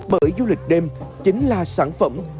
bởi du lịch đêm chính là sản phẩm